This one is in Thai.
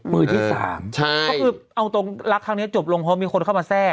มือที่๓คือเอาตรงลักษณ์ทางนี้จบลงเพราะมีคนเข้ามาแทรก